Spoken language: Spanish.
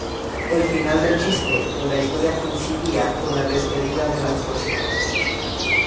El final del chiste o la historia coincidía con la despedida de la actuación.